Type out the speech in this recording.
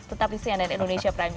tetap di cnn indonesia primis